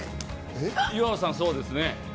岩尾さん、そうですね。